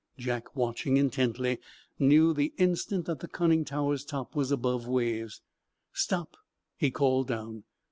Jack, watching intently, knew the instant that the conning tower's top was above waves. "Stop," he called down.